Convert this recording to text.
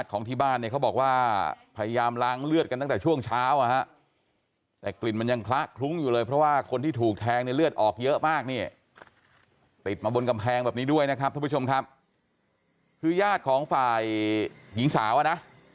ขอบคุณก่อนรัฐพลังงาน